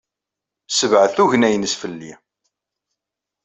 Ssebɛed tugna-nnes fell-i.